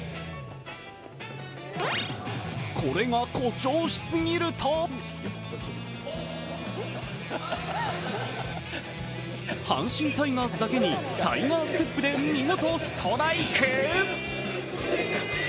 これが誇張しすぎると阪神タイガースだけにタイガーステップで見事、ストライク！？